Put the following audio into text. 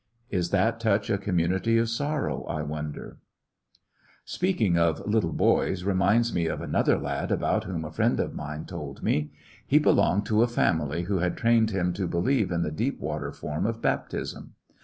'^ Is that touch a com munity of sorroWj I wonder f Bpeaking of little hoys reminds me of an other lad about whom a friend of mine told me. He belonged to a family who had trained Mm to believe in the deep*water form of bap tism.